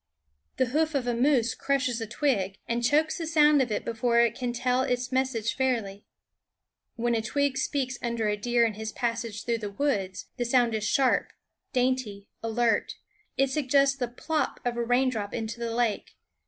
The hoof of a moose crushes a twig, and chokes the sound of it before it can tell its message fairly. When a twig speaks under a deer in his passage through the woods, the sound is sharp, dainty, alert. It suggests the plop of a raindrop into the lake.